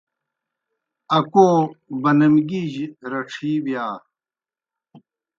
اکو بَنَمگیِ جیْ رڇِھی بِیا۔